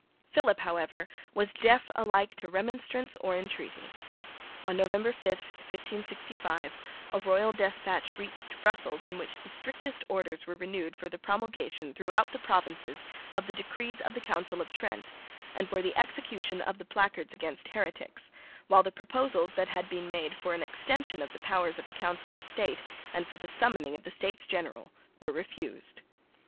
Philip however was deaf alike to remonstrance or entreaty. On November 5, 1565, a royal despatch reached Brussels in which the strictest orders were renewed for the promulgation throughout the provinces of the decrees of the Council of Trent and for the execution of the placards against heretics, while the proposals that had been made for an extension of the powers of the Council of State and for the summoning of the States General were refused.